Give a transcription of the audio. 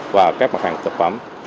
và các mặt hàng thực phẩm